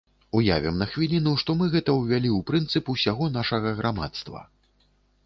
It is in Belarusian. Уявім на хвіліну, што мы гэта ўвялі ў прынцып усяго нашага грамадства.